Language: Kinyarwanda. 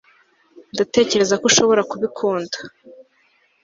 ndatekereza ko ushobora kubikunda